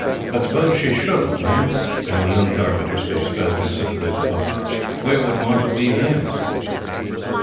"But suppose she shouldn't, ma'am," and the young carpenter's face fell considerably at the thought, "where would Martha be then?"